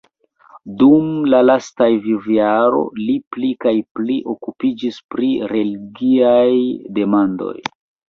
Dum la lastaj vivojaro li pli kaj pli okupiĝis pri relgiaj demandoj.